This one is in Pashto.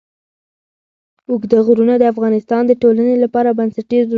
اوږده غرونه د افغانستان د ټولنې لپاره بنسټيز رول لري.